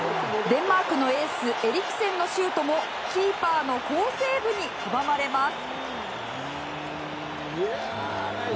デンマークのエースエリクセンのシュートもキーパーの好セーブに阻まれます。